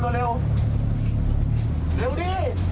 เร็วดิ